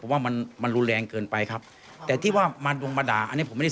ว่ามันมันรุนแรงเกินไปครับแต่ที่ว่ามาดวงมาด่าอันนี้ผมไม่ได้